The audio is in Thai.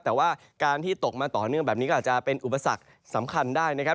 แต่ว่าการที่ตกมาต่อเนื่องแบบนี้ก็อาจจะเป็นอุปสรรคสำคัญได้นะครับ